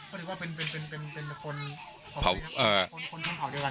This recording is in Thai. ก็คือว่าเป็นคนท่านเผ่าเดียวกัน